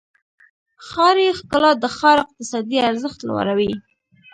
ښاري ښکلا د ښار اقتصادي ارزښت لوړوي.